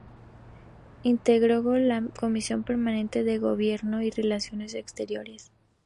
Integró la comisión permanente de Gobierno y Relaciones Exteriores.